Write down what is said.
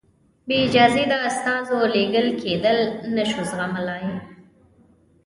بې اجازې د استازو لېږل کېدل نه شو زغملای.